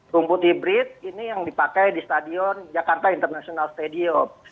rumput hibrid ini yang dipakai di stadion jakarta international stadium